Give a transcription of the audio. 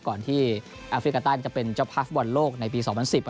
ก่อนที่แอฟริกาตันจะเป็นเจ้าภาพบอลโลกในปี๒๐๑๐